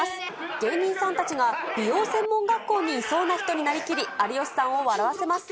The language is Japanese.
芸人さんたちが美容専門学校にいそうな人になりきり、有吉さんを笑わせます。